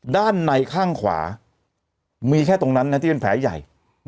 ด้านในข้างขวามีแค่ตรงนั้นนะที่เป็นแผลใหญ่